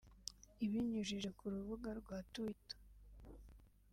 Ibinyujije ku rubuga rwa Twitter